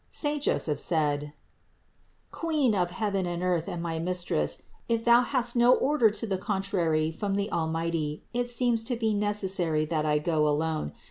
Saint Joseph said: "Queen of heaven and earth and my Mistress, if Thou hast no order to the contrary from the Almighty, it seems to me nec essary that I go alone.